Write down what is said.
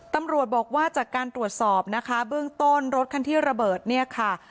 ตำรวจบอกว่าจากการตรวจสอบนะคะเบื้องต้นรถคันที่ระเบิดเนี่ยค่ะ